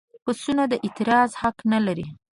پسونه د اعتراض حق نه لري.